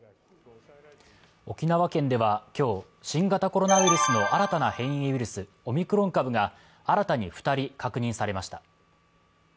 沖縄県では今日、新型コロナウイルスの新たな変異ウイルス、オミクロン株が新たに２人確認されました。